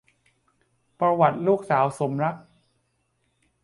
ประวัติลูกสาวสมรักษ์